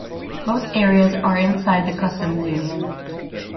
Both areas are inside the customs union.